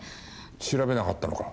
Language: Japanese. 調べなかったのか？